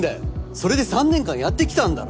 それで３年間やってきたんだろ？